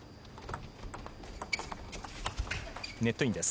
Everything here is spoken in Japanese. ネットインです。